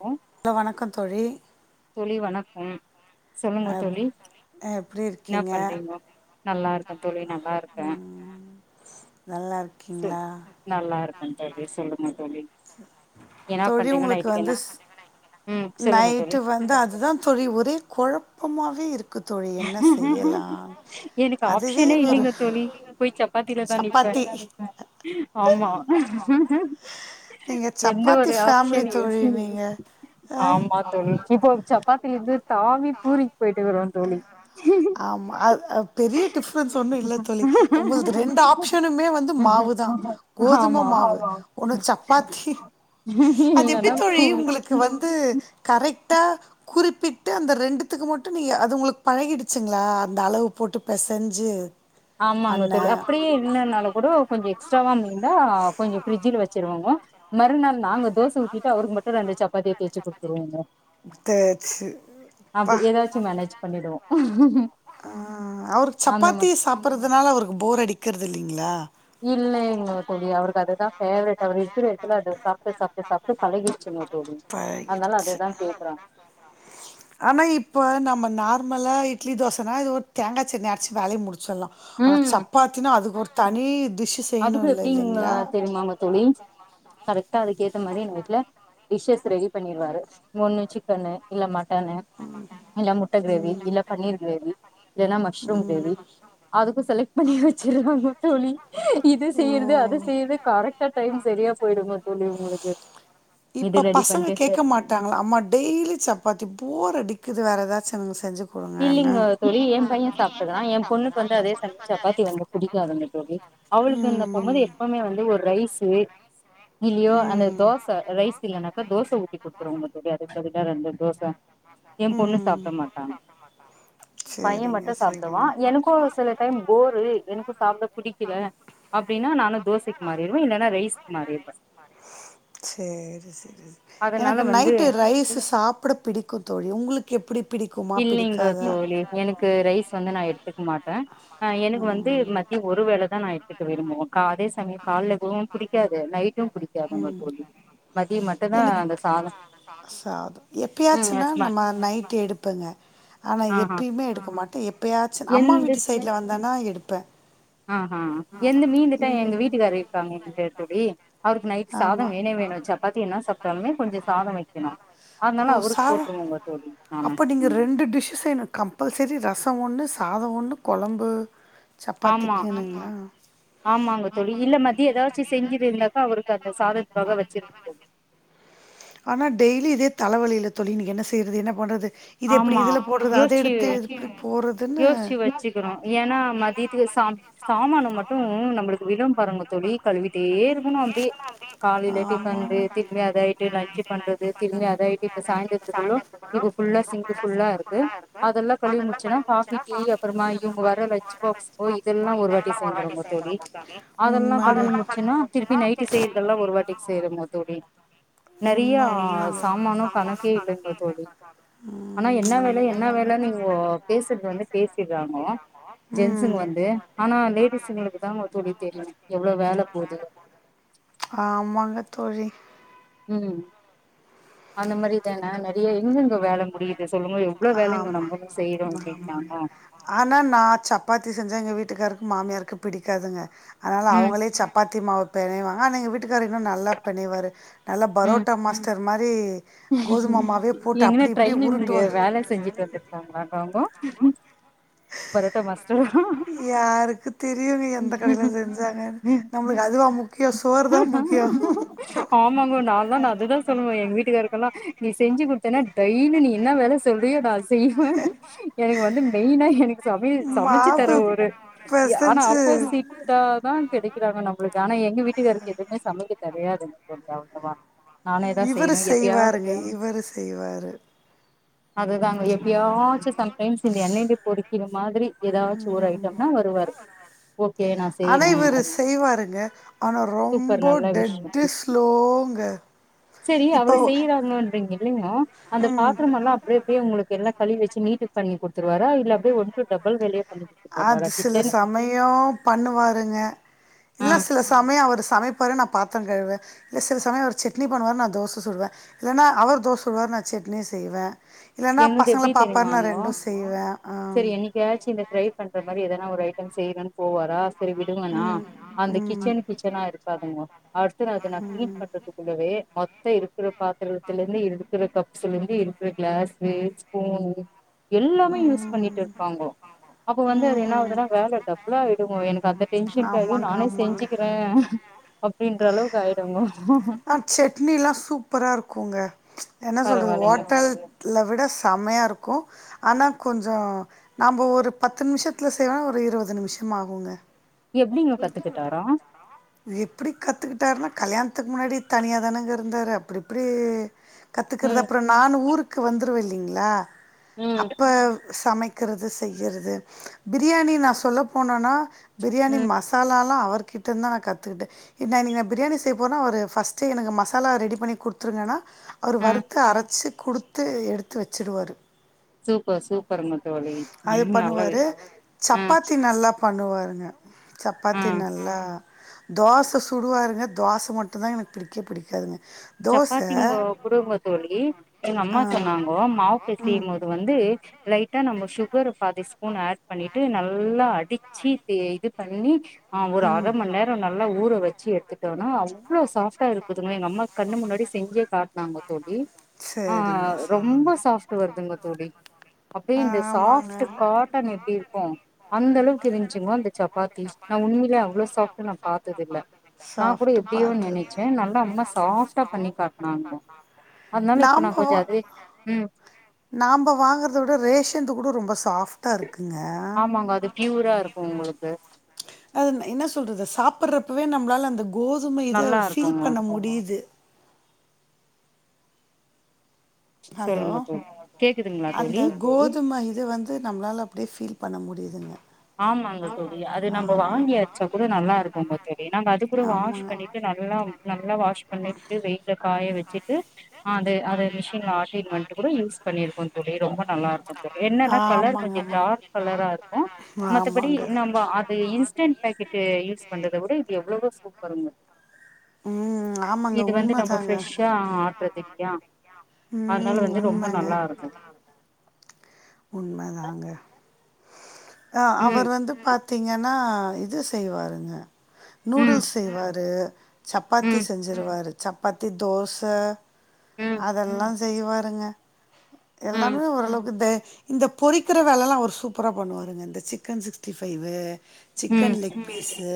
ஓ hello வணக்கம் தோழி! தோழி வணக்கம் சொல்லுங்க தோழி எப்டி என்னா இருக்கீங்க பண்றீங்கோ நல்லாருக்க தோழி நல்லாருக்க நல்லாருக்கீங்ளா நல்லாருக்கோ தோழி சொல்லுங்க தோழி என்னா தோழி பண்றீங்கோ உங்களுக்கு நைட்க்கு வந்து என்னா ஸ் நைட்டு வந்து அது தா தோழி ஒரே கொழப்பமாவே இருக்கு க்கு தோழி என்ன செய்யலா எனக்கு அதுவே ஆப்ஷனே ஒரு இல்லைங்க தோழி போய் சப்பாத்தில தா நிப்ப சப்பாத்தி ஆமா நீங்க எந்த சப்பாத்தி ஒரு ஃபேமிலி ஆப்ஷன் யோஸ் தோழி நீங்க ஆஹ் ஆமா தோழி இப்போ சப்பாத்தில இருந்து தாவி பூரிக்கு போயிட்டு வருவ தோழி ஆமா பெரிய டிஃப்ரென்ஸ் ஒன்னு இல்ல தோழி உங்களுக்கு ரெண்டு ஆப்ஷனுமே வந்து மாவுதா கோதுமை ஆமா மாவு ஒன்னு சப்பாத்தி அது எப்டி இல்லன்னா தோழி பூரி உங்களு க்கு வந்து கரெக்டா குறிப்பிட்டு அந்த ரெண்டுத்துக்கு மட்டு நீ அது உங்களுக்கு பழகிடுச்சுங்ளா அந்த அளவு போட்டு பெசஞ்சு ஆமாங்க பண்ண. தோழி அப்டியே இல்லனாலுங்கூட கொஞ்சோ எக்ஸ்ட்ராவா மீந்தா கொஞ்சோ ஃபிரிட்ஜ்ல வச்சுருவங்க மறுநாள் நாங்க தோச ஊத்திட்டு அவருக்கு மட்டு ரெண்டு சப்பாத்திய தேச்சு குடுத்துருவங்க தேச்சு அப்டி அப்பா! எதாச்சு மேனேஜ் பண்ணிடுவோ அ அவருக்கு அந்த மா சப்பாத்தி சாப்பட்றதுனால அவருக்கு போர் அடிக்கிறது இல்லைங்களா! இல்லைங்க தோழி அவருக்கு அதுதா பேவரட் அவர் இருக்கிற இடத்துல அது அப்ற சாப்ட்டு சாப்ட்டு பழகிருச்சுங்க தோழி அதனால பழகிடுச்சு. அதுதா கேக்குறாங்க. ஆனா இப்ப நம்ம நார்மலா இட்லி தோசனா இது ஒரு தேங்கா சட்னி அரச்சு வேலைய முடி சொல்லா ஆனா ம் சப்பாத்தினா அதுக்கு ஒரு தனி டிஷ் அது கூ எப்டிங் தெரியுமாங்க தோழி கரெக்டா அதுக்கு ஏத்த மாரி எங்க வீட்ல டிஷஸ் ரெடி பண்ணிருவாரு ஒன்னு சிக்கனு இல்ல மட்டனு இல்ல முட்ட கிரேவி இல்ல பன்னீர் கிரேவி இல்லன்னா மஷ்ரூம் கிரேவி அதுக்கு செலக்ட் பண்ணி வச்சுருவாங்க தோழி இது செய்றது அது செய்றது கரெக்டா டைம் சரியா போயிடுங்க தோழி உங்களுக்கு இது இப்ப ரெடி பசங்க பண்ட்டு கே க்க மாட்டாங்களா அம்மா டெய்லி சப்பாத்தி போர் அடிக்குது வேற எதாச்சு எங்களுக்கு செஞ்சு குடுங்கன்னு இல்லிங்க தோழி எ பைய சாப்பிட்றா எ பொண்ணுக்கு வந்து அதே சமய சப்பாத்தி வந்துரு புடிக்காதுங்க தோழி அவளுக்கு இந்த ம் பொம்பள ம் எப்பமே வந்து ஒரு ரைஸு இல்லயோ அந்த தோச ரைஸ் இல்லனாக்கா தோச ஊத்தி குடுத்துருவாங்க தோழி அதுக்கு பதிலா ரெண்டு தோச எ பொண்ணு சாப்ட ம் மாட்டாங்க. பைய சேரிங்க மட்டு சாப்டுவா எனக்கு சில டைம் போரு எனக்கு சாப்ட பிடிக்கல ரைஸ்க்கு மாறிடுவே சர்ரி சரி அதனால எனக்கு வந்து நைட்டு ரைஸ் சாப்ட பிடிக்கு தோழி உங்களுக்கு எப்டி பிடிக்குமா இல்லைங்க பிடிக்காதா தோழி எனக்கு ரைஸ் வந்து நா எட்த்துக்க மாட்ட எனக்கு வந்து ம டீ ஒரு வேளதா நா எடுத்துக்க விரும்புவோ அதே சமயோ கால்ல கூடூ புடிக்காது நைட் டு புடிக்காதுங்க தோழி மதியம் மட்டுதா அந்த சாதம் நா சாதோ எப்பயாச்சுன்னா நம்ம நைட் எடுப்பங்க ஆனா ஆஹா எப்பயுமே எடுக்க மாட்ட எப்பயாச்சு அம்மா எந்து வீட்டு சைட்ல வந்தன்னா எடுப்ப ஆஹ எந்த மீந்துட்டா எங்க வீட்டுக்காரு இருக்காங்க [unintelligible] அவருக்கு நைட்டு சாதோ ஆமா வேணே வேணு சப்பாத்தி என்ன சாப்டாலுமே கொஞ்ச சாத வெக்கணு அதனால அவருக்கு போட்டுருவோங்க தோழி ந அப்ப நீங்க ரெண்டு டிஷ் செய் கம்பல்சரி ரசம் ஒன்னு சாதோ ஒன்னு கொழம்பு ஆமா சப்பாத்திக்குனுங்களா ஆமாங்க தோழி இல்ல மதிய எதாச்சு செஞ்சுது இருந்தாக்கா அவருக்கு அந்த சாதத்துக்காக வச்சிருக் ஆனா டெய்லி இதே தல வலில தோழி இன்னைக்கு என்ன செய்றது என்ன பண்றது இது எப்டி ஆமா இதுல போட்றது அத யோசிச்சு எடுத்து எப்டி போறதுன்னு யோசிச்சு வச்சுக்கணு ஏன்னா மதியத்துக்கு சா சாமானும் மட்டு நம்மளுக்கு விழு பாருங்க தோழி கழுவிட்டே இருக்கணு அப்டியே காலைல டிஃபன்து திரும்பி அதாயிட்டு லஞ்ச் பண்றது திரும்பி அதாயிட்டு இப்ப சாயந்தரத்துக்குள்ளு இப்ப ஃபுல்லா சிங்க் ஃபுல்லா இருக்கு அதெல்லா கழுவி முடிச்சுன்னா காஃபி டீ அப்புறமா இவுங்க வர லன்ச் பாக்ஸ் ஓ இதெல்லா ஒரு வாட்டி சேந்துருங்க தோழி அதெல்லா கழுவி முடிச்சுன்னா திருப்பி நைட்டு செய்றதெல்லா ஒரு வாட்டிக்கு சேருங்க தோழி நெறையா உண்ம சாமானு கணக்கே இல்லைங்க தோழி ஆனா ம் என்ன வேல என்ன வேல இங்கோ பேசறது வந்து பேசிட்றாங்கோ ஜென்ஸுங்க ம் வந்து ஆனா லேடிஸுங்களுக்கு தா தோழி தெரியு எவ்ளோ வேல போதுனு ஆமாங்க தோழி ம் அந்த மாரி தான நெறைய எங்கெங்க வேல முடியுது சொல்லுங்க எவ்ளோ வேலைங்க ஆமா நம்பளு செய்றோ ஆமாங்க அப்டின்னாலா ஆனா நா சப்பாத்தி செஞ்சா எங்க வீட்டுக்காருக்கு மாமியாருக்கு பிடிக்காதுங்க அதனால ம் அவங்களே சப் பாத்தி மாவு பெணைவாங்க ஆனா எங்க வீட்டுக்காரு இன்னு நல்லா பெணைவாரு நல்லா ம் பரோட்டா மாஸ்டர் மாரி கோதும மாவே போட்டு அப்டி இப்டி உருட்டுவார் ல செஞ்சுட்டு வந்திருக்காங்களவங்கோ பரோட்டா மாஸ்டர் யாருக்கு தெரியுங்க எந்த கடைல மாஸ்டரா செஞ்சாங்கன்னு நம்மளுக்கு அதுவா முக்கியோ சோறு தா முக்கியோ ஆமாங்கோ நா தா அதுதா சொல்லுவே எங்க வீட்டுக்காரு கெல்லா நீ செஞ்சு குடுத்தனா டெய்லி நீ என்ன வேல சொல்றியோ நா செய்வ எனக்கு வந்து மெயினா எனக்கு சமைய சமைச்சு மாவு தர ஒரு ஆனா அப்போ சி பெசஞ்சு தா கெடைக்கிறாங்க நம்மளுக்கு ஆனா எங்க வீட்டுக்காருக்கு எதுமே சமைக்க தெரியாதுங்க தோழி அவ்ளவா நானே தா இவரு செய்ணு செய்வாருங்க இவரு செய்வாரு அதுதாங்க எப்பயாச்சு சம்டைம்ஸ் இந்த எண்ணெய்ல பொறிக்கிற மாதிரி எதாச்சு ஒரு ஐட்டம் னா வருவாரு ஓகே நா ஆனா செய்யறே இவரு அது செய்வாருங்க ஆனா சூப்பர் ரொம்ப நல்ல டெட் விஷயோ டு ஸ்லோ ங்க சரி அவர் செய்யறாங்கன்றீங்க இல்லலைங்கோ அந்த ம் பாத்தரமெல்லா அப்ட அப்டே உங்களுக்கு எல்லா கழுவி வச்சு நீட்டுக்கு பண்ணி குடுத்துருவாரா இல்ல அப்டே உங்களுக்கு டபள் வேலையே பண்ணி குடுத்துட்டு வருவாரா அது சில கிச்சன் சமயோ பண்ணுவாருங்க ஆ இல்ல சில சமயோ அவரு சமைப்பாரு நா பாத்தரோ கழுவ இல்ல சில சமயோ ஒரு சட்னி பண்ணுவாரு நா தோச சுடுவ இல்லன்னா அவர் தோச சுடுவாரு நா சட்னி செய்வ இல்லன்னா எங்களுது பசங்கள எப்படி பாப்பார் நா ரெண்டு செய்வேன் ஆ எதாச்சி இந்த ட்ரை பண்ற மாரி எதனா ஒரு ஐட்டம் செய்யணுன்னு போவாரா சரி விடுங்கண்ணா ம் அந்த ம் கிச்சன் கிச்சனா இருக்காதுங்க அடுத்த அது நா கீளீன் பண்றதுக் குள்ளவே மொத்தோ இருக்கிற பாத்திரத்துல இருந்து இருக்கிற கப்ஸ்லருந்து இருக்கிற கிளாஸ் ஒரே ஸ்பூன் எல்லாமே யூஸ் பண்ணிட்டு இருப்பாங்கோ அப்போ வந்து அது ம் என்னாகுதுன்னா வேல டபுள்ளாயிடு எனக்கு அந்த டென்ஷன் ஆயி ஆமாங்க நானே ஆமாங்க செஞ்சுக்கிறே அப்டின்ற அளவுக்கு ஆயிடுங்கோ ஆ சட்னில்லா சூப்பரா இருக்குங்க என்ன சொல்றது பரவாயில்லைங்க ஹோட்டல் ல விட செம்மையா இருக்கு ஆனா கொஞ்சோ நம்ப ஒரு பத்து நிமிஷத்துல செய்வோனா ஒரு இருவது நிமிஷம் ஆகுங்க எப்டிங்க கத்துக்கிட்டாரா எப்டி கத்துகிட்டாருன்னா கல்யாணத்துக்கு முன்னாடி தனியாக தானங்க இருந்தாரு அப்டி இப்டி கத்துக்குறது ம் அப்றோ நானு ஊருக்கு வந்துருவே இல்லைங்களா ம் அப்ப சமைக் கிறது செய்றது பிரியாணி நா சொல்ல போனோனா பிரியாணி ம் மசா சாலாலா அவர்கிட்ட இருந்தா நா கத்துகிட்டே நா இன்னைக் நா பிரியாணி செய் போறேனா ஒரு பர்ஸ்ட்டே எனக் மசாலா ரெடி பண்ணி குடுத் குடுத்ருங்கன்னா அவரு ம் வறுத்து அரச்சு குடுத்து எடுத்து வச்சுடுவாரு சூப்பர் சூப்பருங்க தோழி அது ம், நல்ல பண்ணுவாரு விஷ் ஆ சப்பாத்தி நல்லா பண்ணுவாருங்க சப்பாத்தி ஆ நல்லா தோச சுடுவாருங்க தோச மட்டு தா எனக்கு பிடிக்கே பிடிக்காதுங்க தோச சப்பாத்திங்கோ குடுங்கோ தோழி எங்க ஆ அம்மா சொன்னாங்கோ மாவு ம் பெசையும் போது வந் து லைட்டா நம்ம சுகர் பாதி ஸ்பூன் ஆட் பண்ணி ட்டு நல்லா அடிச்சு இது இது பண்ணி ஆ ஒரு அர ம் மண் நேரோ நல்லா ஊற வச்சு எடுத்துட்டோனா அவ்ளோ சாஃப்டா இருக்குதுங்க எங்க அம்மா கண்ணு முன்னாடி செஞ்சே காட்னாங்கோ தோழி ஆ சரிங்க ரொம்ப சரிங்க சாஃப்ட்டு வருதுங்க தோழி அப்டியே ஆ, இந்த ஆமாங்க சாஃப்ட் காட்டன் எப்டி இருக்கு அந்த அளவுக்கு இருந்சுங்கோ அந்த சப்பாத்தி நா உண்மையிலே அவ்ளோ சாஃப்ட் சாஃப்ட் பா ஏதோ நினச்சே நல்லா அம்மா சாஃப்ட் சாப்டா பண்ணி பாக்கலா அதுனால இப்ப நா கொஞ்ச அதுவே ம் நாம்ப வாங்குறத விட ரேஷன்து கூட ரொம்ப சாஃப்ட் ஆமாங்க அது ப்யூரா இருக்கு உங்ளுக்கு அது என்ன சொல்றது சாப்றப்பவே நம்ளால அந்த கோதும இத நல்லா ஃபீல் இருக்குங்க பண்ண முடியுது ஹலோ சொல்லுங்க தோழி கேக்குதுங்களா அந்த தோழி கோதும இத வந்து நம்ளால அப்டியே ஃபீல் பண்ண முடியுதுங்க ஆமாங்க தோழி அது நம்போ ஆமா வாங்கி அர்ச்சா கூட நல்லா இருக்குங்க தோழி நாங்க அது கூட வாஷ் ஆமாங்க பண்ணிட்டு நல் எ‌ல்லாம் நல்லா வாஸ் பண்ணிட்டு வெயில்ல காய வச்சுட்டு ஆ அது அது மிஷின் மெஷின்ல ஆட்டி வந்ட்டு கூட யூஸ் பண்ணிருக்கோ தோழி ரொம்ப நல்லாருக்கு தோழி என்னன்னா கலர் கொஞ்ச ஆமாங்க டார்க் கலரா இருக்கு மத்தபடி ஆமாங்க ஆமாங்க நம்ம அது இன்ஸ்டண்ட் பாக்கெட்டு யூஸ் பண்றத விட இது எவ்ளவோ சூப்பருங்க ம் ஆமாங்க இது வந்து நம்மோ உண்மதாங்க ஃப்ரெஷ்ஷா வர்து இல்யா அனால ம் வந்து ரொம்ப உண்மங்க நல்லா இருக்கு உண்ம தாங்க ஆ ம் அவர் வந்து பாத் தீங்கன்னா இது செய்வாருங்க ம் நூடுல்ஸ் செய்வாரு சப்பாத்தி ம் செஞ்சுருவாரு சப்பாத்தி தோச ம் அதெல்லா செய்வாருங்க ம் எல்லாமே ஓரளவுக்கு தே இந்த பொறிக்கிற வேலலா அவர் சூப்ரா பண்ணுவாருங்க இந்த சிக்கன் சிக்ஸ்டி ஃபைவு ம் சிக்கன் லெக் பீஸ்ஸு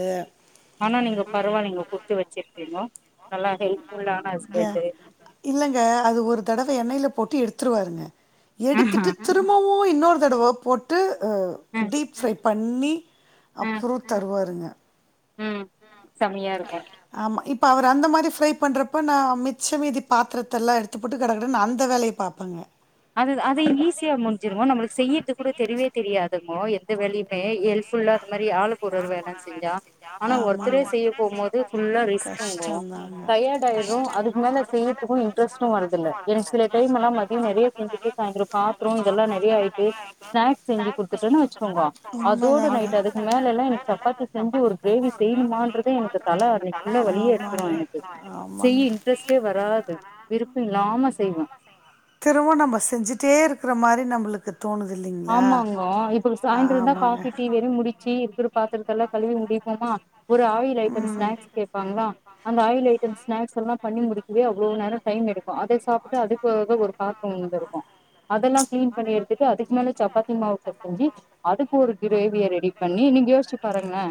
போட்டு வச்சிருக்கீங்கோ நல்லா ஹெல்ப்புல்லான ஹஸ்பண்ட்டு ம். இல்லங்க அது ஒரு தடவ எண்ணெய்ல போட்டு எடுத்துருவாருங்க ஆஹா எடுத்துட்டு தி ரும்பவு இன்னொரு தடவ போட்டு அ ம் டீப் ஃப்ரை பண் ணி ம் அப்றோ தருவாருங்க ம் செமயாருக்கு ஆமா இப்ப அவர் அந்த மாரி ஃப்ரை பண்றப்ப நா மிச்ச மீதி பாத்திரத்தலா எடுத்துப்போட்டு கட கடன்னு அந்த வேலய பாப்பேங்க அதுதா அது ஈஸியா முடிஞ்சுருங்கோ நம்ளுக்கு செய்றது கூட தெரியவே தெரியாதுங்கோ எந்த வேலயுமே ஹெல்ப்ஃபுல்லா அந்த மாரி ஆளுக்கொரு ஒரு வேலன்னு செஞ்சா ஆனா ஒருத்தரே செய்யப் போம்போது ஃபுல்லா ரெஸ் [inaudible] ங்கும் கஷ்டந்தாங்க டயர்ட்டு ஆயிரு கஷ்டோ அதுக்கு மேல செய்ரதுக்கு இன்ட்ரெஸ்ட்டு வர்தில்ல எனக்கு சில டைம்லா எல்லா மதியோ நெறைய செஞ்சுட்டு சாய்ந்தரோ பாத்தரோ இதெல்லா நிறைய ஆயிட்டு ஸ்நாக்ஸ் செஞ்சு குடுத்துட்டன்னு வச்சுக்கோங்கோ அதோட நைட் அதுக்கு மேலல எனக் சப்பாத்தி செஞ்சு ஒரு கிரேவி செய்யணுமான்றதே எனக்கு தல அன்னைக்கு ஃபுல்லா வழியே எடுத்துரு எனக்கு செய்ய இன்ட்ரெஸ்ட்டே வராது விருப்பமில்லாம செய்வே திரும்பவு நம்ப செஞ்சுட்டே இருக்கிற மாரி நம்மளுக்கு தோணுது இல்லைங் ஆமாங்கோ இப்ப சாய்ந்தரோந் தா காபி டீ வெறும் முடி ச்சீ இருக்கிற பாத்திரதல்லா கழுவி முடிப்போமா ஒரு ஆயில் ஐட்டம் ஸ்நாக்ஸ் கேப்பாங்களா அந்த ஆயில் ஐட்டம்ஸ் ஸ்நாக்ஸ் எல்லா பண்ணி முடிக்கவே அவ்ளவு நேரம் டைம் எடுக்கு அத சாப்ட்டு அதுக்காக ஒரு பாத்ரம் வந்திருக்கு அதெல்லா கிளீன் பண்ணி எடுத்துட்டு அதுக்கு மேல சப்பாத்தி மாவு பெசஞ்சு அதுக்கு ஒரு கிரேவிய ரெடி பண்ணி நீங்க யோசிச்சு பாருங்களே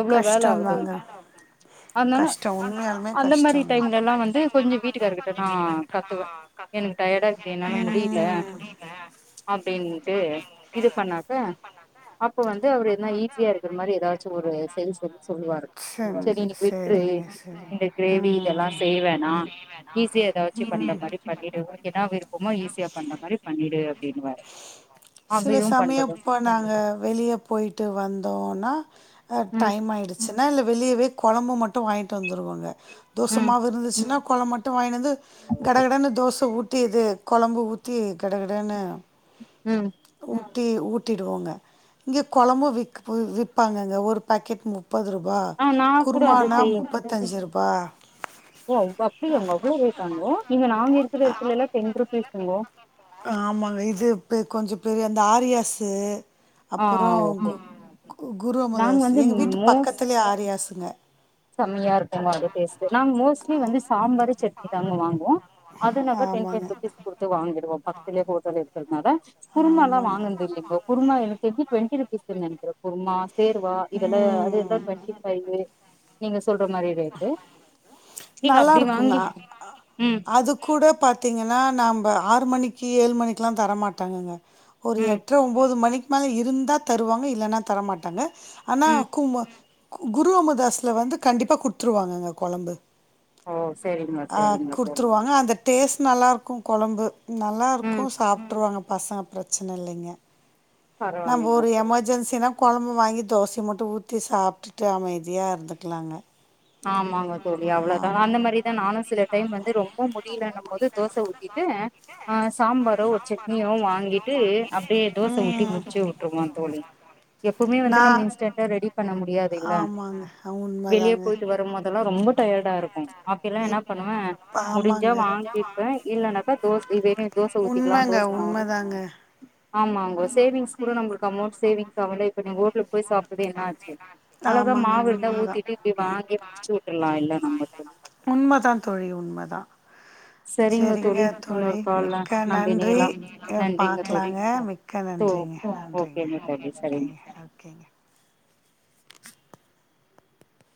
எவ்ளோ வேல ஆவுது கஷ்டந்தாங்க அதனால கஷ்டோ உண்மையாலுமே அந்த மாரி கஷ்டோங்க டைம்ல லா வந்து கொஞ்சோ வீட்டுக்கார்க்கிட்ட நா கத்துவே எனக்கு டயடாருக்குது என்னால முடியல அப்டினு டு இது பண்ணாக அப்ப வந்து அவரு எதுனா ஈஸியா இருக்கிற மாரி ஏதாச்சு ஒரு செரி செஞ் சொல்லுவாரு செரி செஞ்சு இன்னைக்கு விட்டுறு சேரிங்க செரி இந்த கிரேவி ம் இதெல்லா செய்ய வேணா ஈஸியா ஏதாவ ச்சி பண்ற மாரி பண்ணிடு உனக்கு என்ன விருப்பமோ ஈஸியா பண்ற மாரி பண்ணிடு அப்டினுவாரு சில சமயம் இப்ப நாங்க வெளிய போய்ட்டு வந்தோனா அ ம் டைம் ஆயிடுது சுனா வெளியவே கொழம்பு மட்டு வாங்கிட்டு வந்துருவாங்க தோச ம் மாவு இருந்துச்சுன்னா கொழம் மட் மட்டு வாங்கினு வந்து கடகடன்னு தோச ஊத்தி இது கொழம்பு ஊத்தி கடகடன்னு ம் ஊட்டி ஊட்டிடுவோங்க இங்கே கொழம்பு விற்க் விற்ப்பாங்கங்க ஒரு பாக்கெட் முப் பது ரூபா ஆ நா கூட அது குருமானா செய் முப்பத்தஞ்சு ரூபா ஓ அப்டியாங்கோ அவ்ளோ ரேட்டாங்க இங்க நாங்க இருக்கிற இடத்துலல்லா டென் ரூபீஸ் தாங்கோ ஆமாங்க இது கொஞ்சோ பெரிய அந்த ஆரியாஸ்ஸு ஆ அப்புறோ ஓகே குரு நாங்க அமதாசு வந்து எங்க வீட்டு பக்கத்துலே ஆரியாசுங்க செமையா இருக்குங்கோ அந்த டேஸ்ட் நாங்க மோஸ்ட்லி வந்து சாம்பாரு சட்னி தாங்க வாங்குவோ அது நாங்க டென் பைவ் ஆமாங்க ரூப்பீஸ் குடுத்து வாங்கிடுவோ பக்கத்லே ஹோட்டல் இருக்றதுனால குருமாலா ஆமாங்க வாங்கன்து இல்லிங்கோ குருமா எனக்கு தெரிஞ்சு டுவெண்ட்டி ரூப்பீஸ்துன்னு நெனைக்கற குருமா சேர்வா இதல்லு அது எல்லா ம் டுவெண்ட்டி ஃபைவ்வு நீங்க சொல்ற மாரி ரேட்டு நீங்க நல்லா அப்டி இருக்குங்க வாங்கி ம் அது க்கூட பாத்திங்கன்னா நாம்ப ஆறு மணிக்கு ஏழு மணிக்குலா தர மாட்டாங்கங்க ஒரு ம் எட்ர ஒம்போது மணிக்கு மேல இருந்தா தருவாங்க இல்லன்னா தரமாட்டாங்க ஆனா ம் கும்மு குரு அமு தாஸ்ல வந்து கண்டிப்பா குடுத்துருவாங்கங்க கொழம்பு ஓ சேரிங்க ஆ குடுத்துருவாங்க அந்த டேஸ்ட் நல்லாருக்கு கொழம்பு நல்லாருக்கு ம் சாப்ட்ருவாங்க பசங்க பிரச்சன இல்லைங்க நாம்ப பரவால்லைங்க ஒரு எமர்ஜென்சினா கொழம்பு வாங்கி தோசய மட்டு ஊத்தி சாப்ட்டுட்டு அமைதியா இருந்துக்கலாங்க ஆமாங்க தோழி அவ்ளோதா ஆமா அந்த மாரிதா நானு சில டைம் வந்து ரொம்ப முடியலனு போது தோச ஊத்திட்ட ஆ சாம்பாரோ ஒரு சட்னியோ வாங்கிட்டு அப்டே தோச ஊத்தி ம் முடிச்சு உட் ருவா தோழி எப்போமே வந்து நா நம்ம இன்ஸ்டன்டா ரெடி பண்ண முடியாது இல்ல ஆமாங்க வெளிய உண்மதாங்க போய்ட்டு வர ம்போதல்லா ரொம்ப டயர்டா இருக்கு அப்பைலா என்ன இப் பண்ணுவ முடிஞ்சா ஆமாங்க வாங்கிப்ப இல்லனாக்கா தோசையிவே தோச ஊத்திக்கலா உண்மங்க தோச மாவ் உண்மதாங்க ஆமாங்கோ சேவிங்ஸ் கூட நம்மளுக்கு அமௌண்ட் சேவிங்ஸ் ஆகுல இப்ப நீங்க ஓட்டலுக்கு போயி சாப்டது என்ன ஆச்சு அழகா ஆமாங்க மாவு இருந்தா உண்மதா ஊத்திட்டு இப்டி வாங்கி முடிச்சூட்டர்லா இல்ல நம்ம தோழி உண்மதா தோழி உண்மதா சரிங்க சேரிங்க தோழி இன்னொரு கால்ல மிக்க நம்ப நன்றி இணையலாம் அ நன்றிங்க தோழி பாக்கலாங்க மிக் க்க தோ நன்றிங்க மிக்க நன்றிங்க ஓகேங்க தோழி சரிங்க ஓகேங்க ஓகேங்க